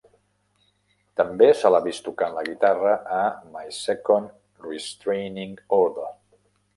També se l'ha vist tocant la guitarra a My Second Restraining Order.